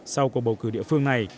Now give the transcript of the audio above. sau cuộc bầu cử địa phương này